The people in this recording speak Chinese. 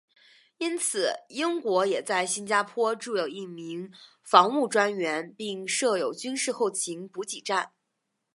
因此英国也在新加坡驻有一名防务专员并设有军事后勤补给站。